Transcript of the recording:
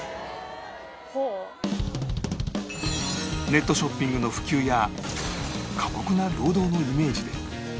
ネットショッピングの普及や過酷な労働のイメージで